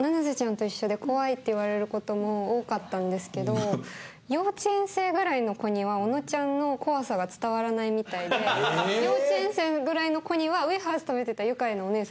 七瀬ちゃんと一緒で怖いって言われることも多かったんですけど幼稚園生ぐらいの子には尾野ちゃんの怖さが伝わらないみたいで幼稚園生ぐらいの子にはウエハース食べてた愉快なお姉さん。